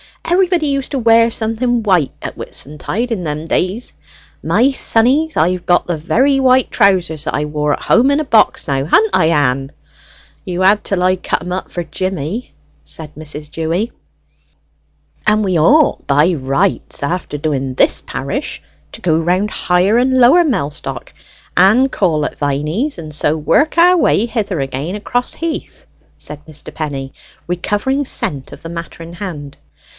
Everybody used to wear something white at Whitsuntide in them days. My sonnies, I've got the very white trousers that I wore, at home in box now. Ha'n't I, Ann?" "You had till I cut 'em up for Jimmy," said Mrs. Dewy. "And we ought, by rights, after doing this parish, to go round Higher and Lower Mellstock, and call at Viney's, and so work our way hither again across He'th," said Mr. Penny, recovering scent of the matter in hand.